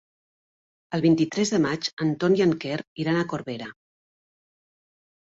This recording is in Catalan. El vint-i-tres de maig en Ton i en Quer iran a Corbera.